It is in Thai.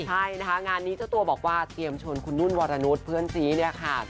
ใช่นะคะงานนี้เจ้าตัวบอกว่าเตรียมชวนคุณนุ่นวรนุษย์เพื่อนซีเนี่ยค่ะ